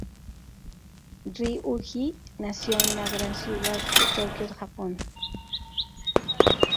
Ryuji nació en la gran ciudad de Tokio, Japón.